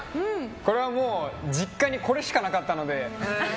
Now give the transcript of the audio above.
これは実家にこれしかなかったので。